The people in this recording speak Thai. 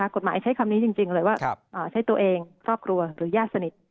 กฎหมายใช้คำนี้จริงเลยว่าใช้ตัวเองครอบครัวหรือญาติสนิท